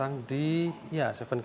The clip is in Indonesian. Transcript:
yang pertama adalah yang tujuh k